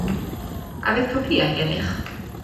A fydd copïau gennych?